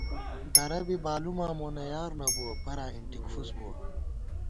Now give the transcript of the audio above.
درہ بی بالُماں مونہ یار نہ بُوَہ، براں اِنٹِک فُس بُوَہ